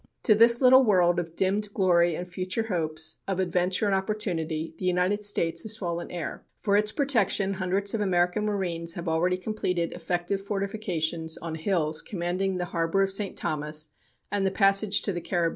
To this little world of dimmed glory and future hopes, of adventure and opportunity, the United States has fallen heir. For its protection hundreds of American Marines have already completed effective fortifications on hills commanding the harbor of St. Thomas, and the passage to the Caribbean Sea.